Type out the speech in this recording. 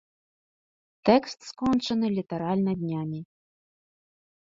Тэкст скончаны літаральна днямі.